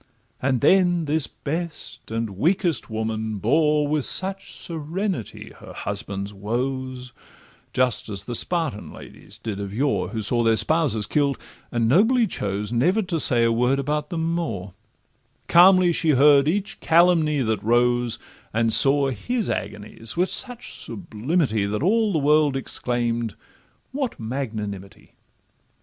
And then this best and weakest woman bore With such serenity her husband's woes, Just as the Spartan ladies did of yore, Who saw their spouses kill'd, and nobly chose Never to say a word about them more— Calmly she heard each calumny that rose, And saw his agonies with such sublimity, That all the world exclaim'd, 'What magnanimity!